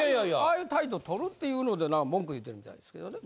ああいう態度取るっていうのでなんか文句言うてるみたいですけどね。